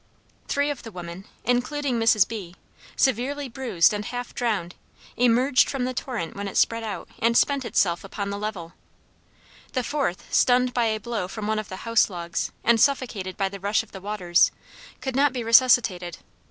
Three of the women, including Mrs. B , severely bruised and half drowned, emerged from the torrent when it spread out and spent itself upon the level; the fourth stunned by a blow from one of the house logs, and suffocated by the rush of the waters, could not be resuscitated.